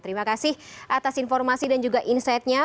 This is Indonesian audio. terima kasih atas informasi dan juga insightnya